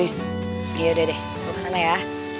ya udah deh gue kesana ya